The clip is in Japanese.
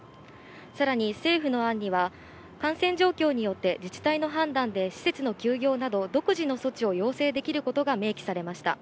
さらに政府の案には感染状況によって自治体の判断で施設の休業など、独自の措置を要請できることが明記されました。